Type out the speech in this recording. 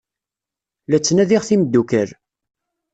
La ttnadiɣ timeddukal.